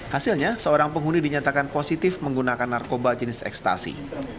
hasilnya seorang penghuni dinyatakan positif menggunakan narkoba jenis ekstasi